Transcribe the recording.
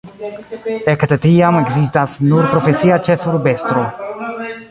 Ekde tiam ekzistas nur profesia ĉefurbestro.